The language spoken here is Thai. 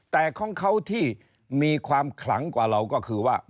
แต่ของเขาที่มีความขลังกว่าเราก็คือว่า